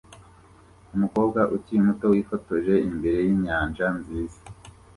umukobwa ukiri muto wifotoje imbere yinyanja nziza